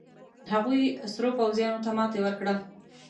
هغوې سرو پوځيانو ته ماتې ورکړه.